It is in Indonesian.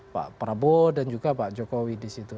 pak prabowo dan juga pak jokowi di situ